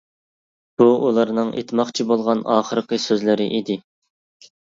بۇ ئۇلارنىڭ ئېيتماقچى بولغان ئاخىرقى سۆزلىرى ئىدى.